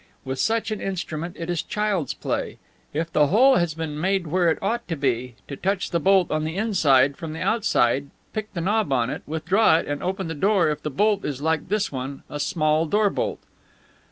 With such an instrument it is child's play, if the hole has been made where it ought to be, to touch the bolt on the inside from the outside, pick the knob on it, withdraw it, and open the door if the bolt is like this one, a small door bolt."